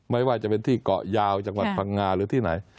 ไม่ว่าจะเป็นที่เกาะยาวจังหวัดพังงาหรือที่ไหน